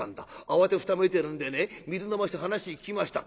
慌てふためいてるんでね水飲まして話聞きました。